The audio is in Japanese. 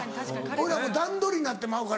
俺らもう段取りになってまうから。